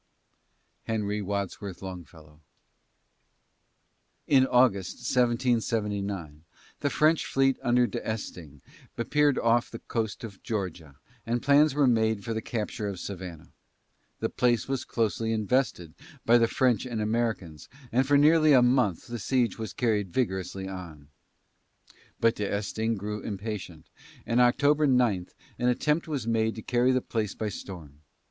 HENRY WADSWORTH LONGFELLOW. In August, 1779, the French fleet under D'Estaing appeared off the coast of Georgia, and plans were made for the capture of Savannah. The place was closely invested by the French and Americans, and for nearly a month the siege was vigorously carried on. But D'Estaing grew impatient, and on October 9 an attempt was made to carry the place by storm.